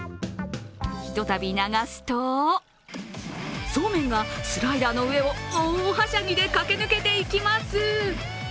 ひとたび流すと、そうめんはスライダーの上を大はしゃぎで駆け抜けていきます。